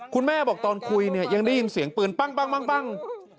คุณแม่บอกตอนคุยเนี่ยยังได้ยินเสียงปืนปั้ง